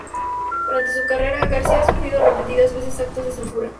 Durante su carrera, García ha sufrido repetidas veces actos de censura.